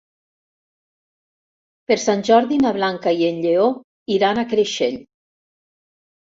Per Sant Jordi na Blanca i en Lleó iran a Creixell.